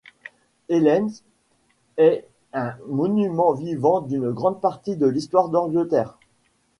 Hellens est un monument vivant d'une grande partie de l'histoire d'Angleterre.